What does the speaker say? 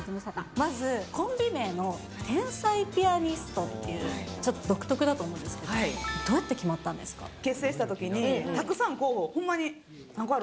まずコンビ名の、天才ピアニストっていう、ちょっと独特だと思うんですけど、どうやって決ま結成したときに、たくさん候補、ほんまに何個やろ？